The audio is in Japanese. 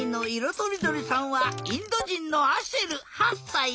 とりどりさんはインドじんのアシェル８さい。